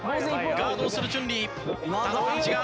ガードをする春麗。